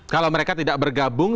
kalau mereka tidak bergabung